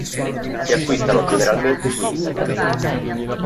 Si acquistano generalmente su internet.